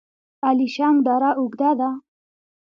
الیشنګ دره اوږده ده؟